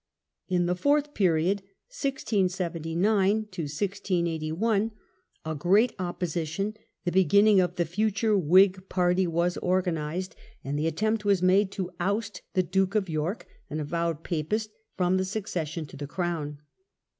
In the fourth period (167 9 1 681) a great opposition, the beginning of the future Whig party, was organized, and the attempt was made to oust the Duke of York, an avowed Papist, from the succession to the crown.